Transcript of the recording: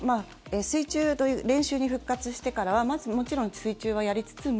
練習に復活してからはまずもちろん水中はやりつつも